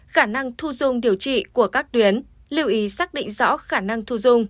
khả năng thu dung điều trị của các tuyến lưu ý xác định rõ khả năng thu dung